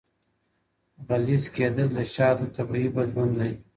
غلیظ کېدل د شاتو طبیعي بدلون دی.